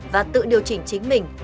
và tự điều chỉnh chính mình